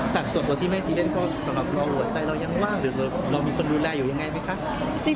ส่วนตัวที่ไม่ซีเล่นก็สำหรับเราหัวใจเรายังว่างหรือเรามีคนดูแลอยู่ยังไงไหมคะ